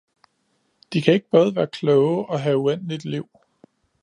De kan ikke både være kloge og have uendeligt liv